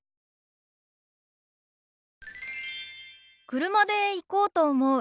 車で行こうと思う。